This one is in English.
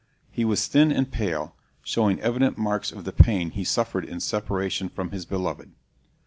He was thin and pale, showing evident marks of the pain he suffered in separation from his beloved.